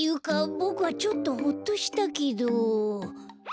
ボクはちょっとホッとしたけど。